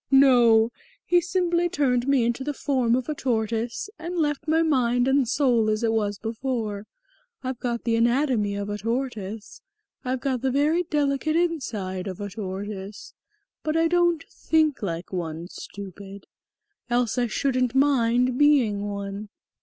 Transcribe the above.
No, he simply turned me into the form of a tortoise and left my mind and soul as it was before. I've got the anatomy of a tortoise, I've got the very delicate inside of a tortoise, but I don't think like one, stupid. Else I shouldn't mind being one."